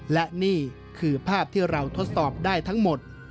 และนี่คือภาพที่เราทดสอบได้ทั้งหมด